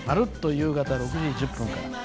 夕方６時１０分から。